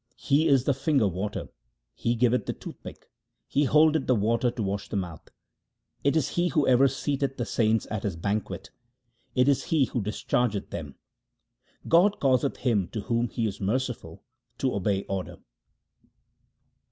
He is the finger water ; He giveth the toothpick ; He holdeth the water to wash the mouth. It is He who ever seateth the saints at His banquet ; it is He who dischargeth them. God causeth him to whom He is merciful to obey His order.